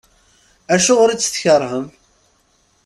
Acuɣer i tt-tkerhem?